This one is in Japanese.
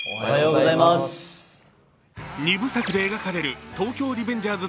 ２部作で描かれる「東京リベンジャーズ